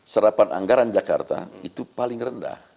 serapan anggaran jakarta itu paling rendah